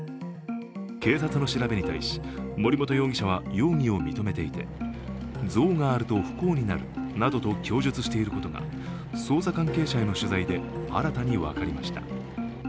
警察の調べに対し、森本容疑者は容疑を認めていて、像があると不幸になるなどと供述していることが捜査関係者への取材で新たに分かりました。